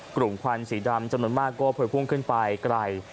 ควันสีดำจำนวนมากก็เผยพุ่งขึ้นไปไกล